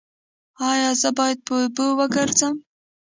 ایا زه باید په اوبو وګرځم؟